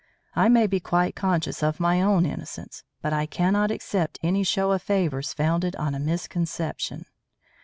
I may be quite conscious of my own innocence, but I cannot accept any show of favours founded on a misconception.